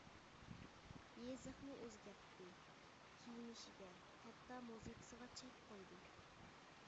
يېزىقىنى ئۆزگەرتتى، كىيىنىشىگە ھەتتا مۇزىكىسىغا چەك قويدى.